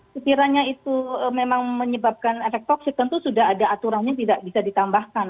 sekiranya itu memang menyebabkan efek toksik tentu sudah ada aturannya tidak bisa ditambahkan